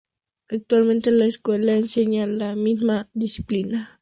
Actualmente la escuela enseña la misma disciplina, sabiduría y defensa personal.